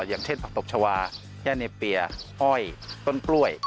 อย่างเทศประตบชวาแย่เนเปียอ้อยต้นปล้วย